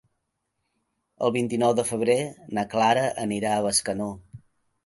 El vint-i-nou de febrer na Clara anirà a Bescanó.